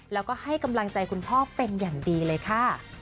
แล้วก็ให้กำลังใจคุณพ่อเป็นอย่างดีเลยค่ะ